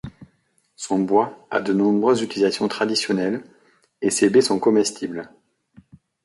Son bois a de nombreuses utilisations traditionnelles, et ses baies sont comestibles.